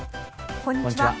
こんにちは。